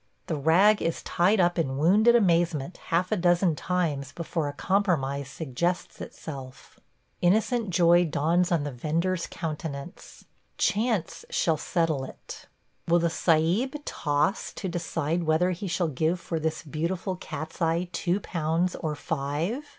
The rag is tied up in wounded amazement half a dozen times before a compromise suggests itself. Innocent joy dawns on the vender's countenance – chance shall settle it. Will the Sahib toss to decide whether he shall give for this beautiful cat's eye two pounds or five?